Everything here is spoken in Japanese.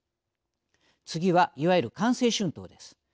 次はいわゆる官製春闘です。